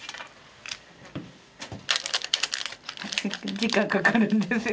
時間かかるんですよ。